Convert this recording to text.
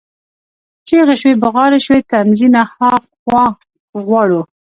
چیغي شوې، بغارې شوې: تمځي نه ها خوا غواړو،